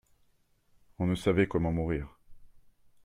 On ne savait comment mourir.